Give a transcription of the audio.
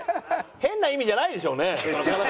変な意味じゃないでしょうね？